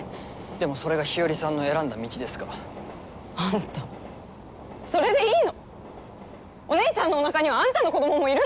でもそれが日和さんの選んだ道ですから。あんたそれでいいの⁉お姉ちゃんのおなかにはあんたの子どももいるんだよ！